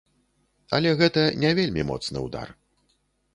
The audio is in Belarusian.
Але гэта не вельмі моцны ўдар.